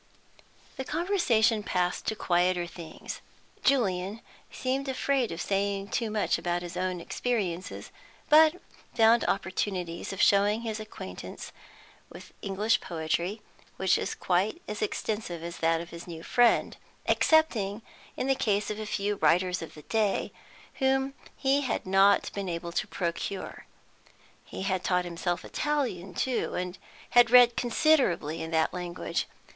The conversation passed to quieter things. Julian seemed afraid of saying too much about his own experiences, but found opportunities of showing his acquaintance with English poetry, which was quite as extensive as that of his new friend, excepting in the case of a few writers of the day, whom he had not been able to procure. He had taught himself Italian, too, and had read considerably in that language.